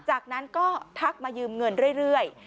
จากนั้นก็ทักมายืมเงินเรื่อย